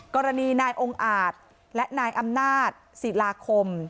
กรณีนายองค์อาจและนายอำนาจศิลาคม